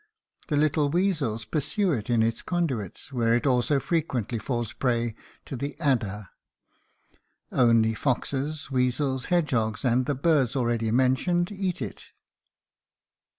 The little weasels pursue it in its conduits, where it also frequently falls a prey to the adder. Only foxes, weasels, hedgehogs, and the birds already mentioned, eat it.